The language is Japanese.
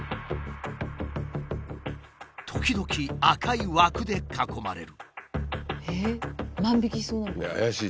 時々赤い枠で囲まれる。